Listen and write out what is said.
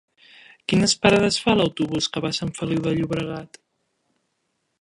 Quines parades fa l'autobús que va a Sant Feliu de Llobregat?